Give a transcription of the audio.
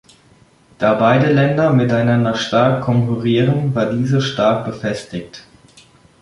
Da beide Länder miteinander stark konkurrierten, war diese stark befestigt.